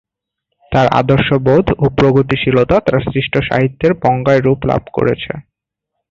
তাঁর আদর্শবোধ ও প্রগতিশীলতা তাঁর সৃষ্ট সাহিত্যে বাঙ্ময় রূপ লাভ করেছে।